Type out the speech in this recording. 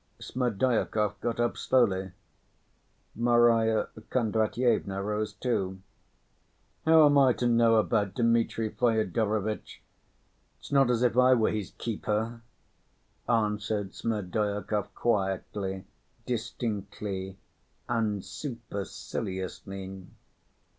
Smerdyakov got up slowly; Marya Kondratyevna rose too. "How am I to know about Dmitri Fyodorovitch? It's not as if I were his keeper," answered Smerdyakov quietly, distinctly, and superciliously.